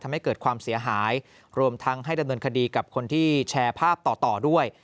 ทำให้เกิดความเสียหายรวมทั้งให้ดำเนินคดีกับคนที่แชร์ภาพต่อต่อด้วย